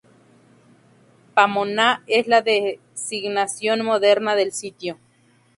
Pomoná es la designación moderna del sitio.